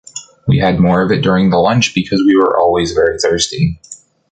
We had more of it during the lunch because we were always very thirsty.